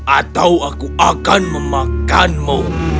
atau aku akan memakanmu